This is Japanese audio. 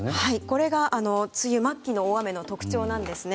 これが梅雨末期の大雨の特徴なんですね。